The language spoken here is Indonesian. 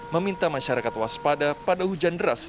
meminta masyarakat waspada pada hujan deras